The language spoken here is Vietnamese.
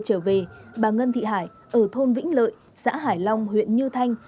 trở về bà ngân thị hải ở thôn vĩnh lợi xã hải long huyện như thanh